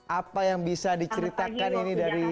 apa yang bisa diceritakan ini dari